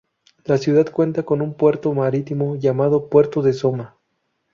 La ciudad cuenta con un puerto marítimo, llamado Puerto de Soma.